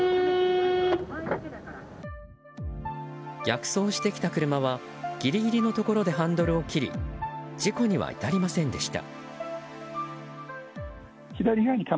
逆走してきた車はギリギリのところでハンドルを切り事故には至りませんでした。